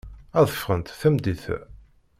Ad ffɣent tameddit-a.